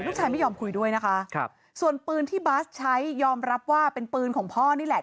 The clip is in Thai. ไม่ยอมคุยด้วยนะคะครับส่วนปืนที่บาสใช้ยอมรับว่าเป็นปืนของพ่อนี่แหละ